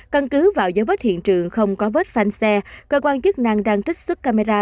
căn cứ vào dấu vết hiện trường không có vết phanh xe cơ quan chức năng đang trích xuất camera